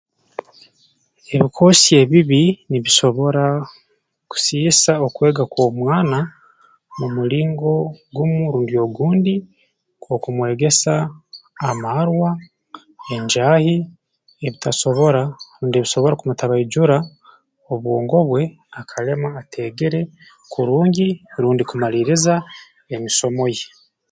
Ebikoosi ebibi nibisobora kusiisa okwega kw'omwana mu mulingo gumu rundi ogundi nk'okumwegesa amaarwa enjaahi ebitasobora rundi ebisobora kumutabaijura obwongo bwe akalema ateegere kurungi rundi kumaliiriza emisomo ye